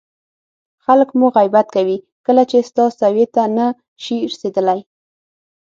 خلک مو غیبت کوي کله چې ستا سویې ته نه شي رسېدلی.